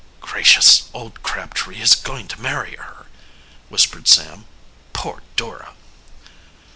"Gracious, old Crabtree is going to marry her!" whispered Sam. "Poor Dora!"